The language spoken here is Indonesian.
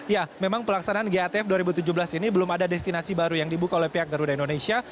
ya memang pelaksanaan gatf dua ribu tujuh belas ini belum ada destinasi baru yang dibuka oleh pihak garuda indonesia